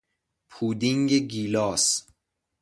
پودینگ گیلاس